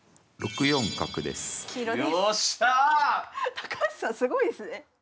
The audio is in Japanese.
高橋さんすごいですね。